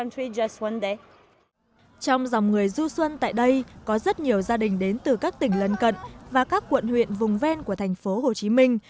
trong dòng người du xuân tại đây có rất nhiều gia đình đến từ các tỉnh lân cận và các quận huyện vùng ven của thành phố hồ chí minh